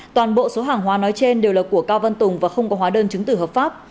toàn bộ số hàng hóa nói trên đều là của cao văn tùng và không có hóa đơn chứng tử hợp pháp